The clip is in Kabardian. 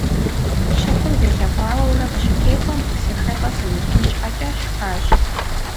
Щыхьыр зэлъэкъуауэурэ къыщытехуэм, псэхэлӀэ сымыщӀын щхьэкӀэ сшхащ.